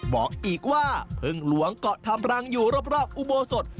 บอกอีกว่าพึ่งหลวงเกาะทำรังอยู่รอบอุโบสถ